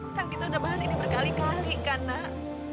kan kita udah bahas ini berkali kali kan nak